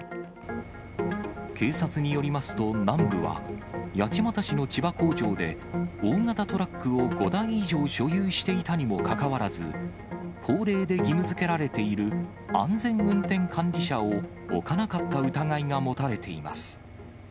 警察によりますと、南武は、八街市の千葉工場で、大型トラックを５台以上所有していたにもかかわらず、法令で義務づけられている安全運転管理者を置かなかった疑いが持たれています。